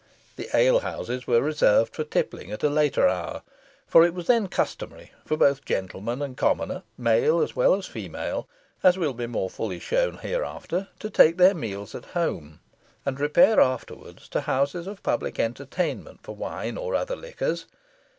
The alehouses were reserved for tippling at a later hour, for it was then customary for both gentleman and commoner, male as well as female, as will be more fully shown hereafter, to take their meals at home, and repair afterwards to houses of public entertainment for wine or other liquors.